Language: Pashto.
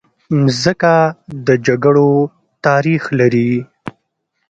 مځکه د جګړو تاریخ لري.